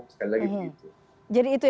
sekali lagi begitu